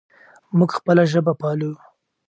موږ خپله ژبه پالو.